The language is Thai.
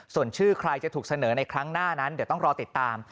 ส่วนชื่อใครจะถูกเสนอในครั้งหน้านั้นเดี๋ยวต้องรอติดตาม